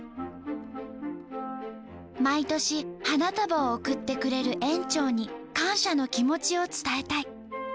「毎年花束を贈ってくれる園長に感謝の気持ちを伝えたい」。